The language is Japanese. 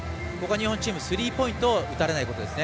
日本チームスリーポイント打たれないことですね。